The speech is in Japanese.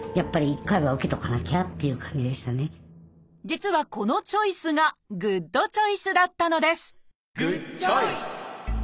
実はこのチョイスがグッドチョイスだったのですグッドチョイス！